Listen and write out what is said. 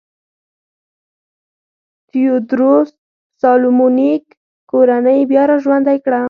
تیوودروس سالومونیک کورنۍ بیا را ژوندی کړه.